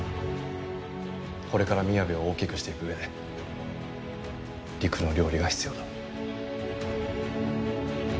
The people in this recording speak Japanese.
これからみやべを大きくしていく上でりくの料理が必要だ。